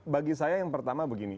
bagi saya yang pertama begini